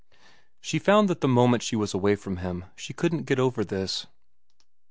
... She found that the moment she was away from him she couldn't get over this.